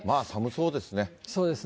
そうですね。